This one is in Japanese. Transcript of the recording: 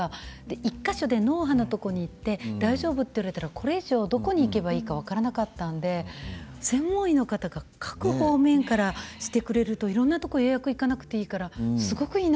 １か所で脳波のとこに行って大丈夫って言われたらこれ以上どこに行けばいいか分からなかったんで専門医の方が各方面からしてくれるといろんなとこ予約行かなくていいからすごくいいなと思いました。